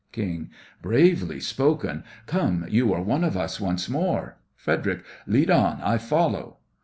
KING: Bravely spoken! Come, you are one of us once more. FREDERIC: Lead on, I follow.